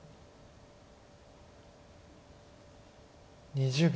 ２０秒。